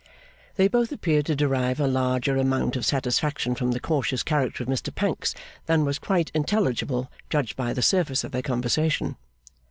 They both appeared to derive a larger amount of satisfaction from the cautious character of Mr Pancks, than was quite intelligible, judged by the surface of their conversation.